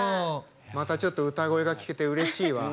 またちょっと歌声が聴けてうれしいわ。